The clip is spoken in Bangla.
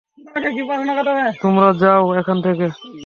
তোমরা যাও এখান থেকে।